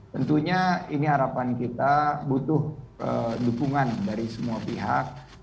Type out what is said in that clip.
tentunya ini harapan kita butuh dukungan dari semua pihak